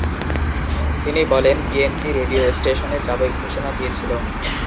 তিনি বলেন, বিএনপি রেডিও স্টেশনে যাবে ঘোষণা দিয়েছিল।